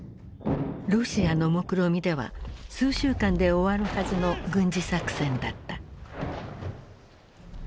ロシアのもくろみでは数週間で終わるはずの軍事作戦だった。